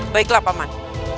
baiklah pak man